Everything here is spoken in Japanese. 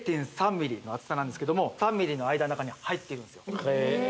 ０．３ｍｍの厚さなんですけども３ｍｍの間の中に入ってるんですよへえ